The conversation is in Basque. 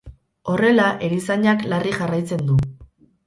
Horrela, erizainak larri jarraitzen du.